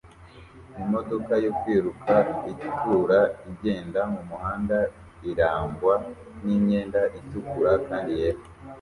Imodoka yo kwiruka itukura igenda mumuhanda irangwa nimyenda itukura kandi yera